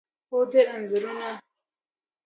هو، ډیر انځورونه